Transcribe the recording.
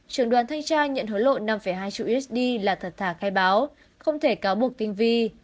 trường đoàn thanh tra nhận hối lộ năm hai triệu usd là thật thả khai báo không thể cáo buộc tinh vi